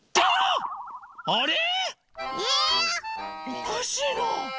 おかしいな。